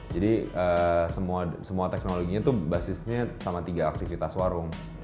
jadi semua teknologinya tuh basisnya sama tiga aktivitas warung